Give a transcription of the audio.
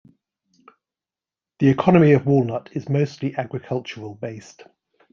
The economy of Walnut is mostly agricultural based.